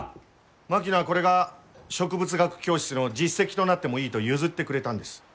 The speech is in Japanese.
槙野はこれが植物学教室の実績となってもいいと譲ってくれたんです。